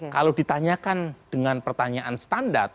kalau ditanyakan dengan pertanyaan standar